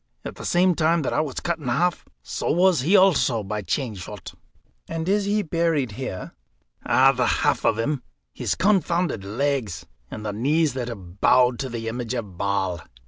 At the same time that I was cut in half, so was he also by chain shot." "And is he buried here?" "The half of him his confounded legs, and the knees that have bowed to the image of Baal."